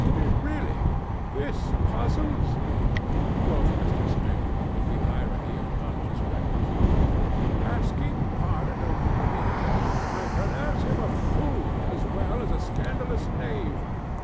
"Really, this puzzles me!" quoth Mr. Smith, with the irony of conscious rectitude. "Asking pardon of the painter, I pronounce him a fool as well as a scandalous knave.